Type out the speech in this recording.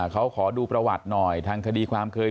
เขาขอดูประวัติหน่อยทางคดีความเคย